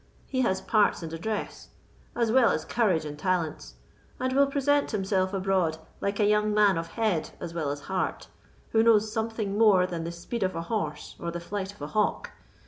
He has parts and address, as well as courage and talents, and will present himself abroad like a young man of head as well as heart, who knows something more than the speed of a horse or the flight of a hawk.